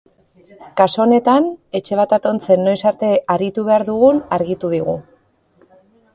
Kasu honetan, etxe bat atontzen noiz arte aritu behar dugun argitu digu.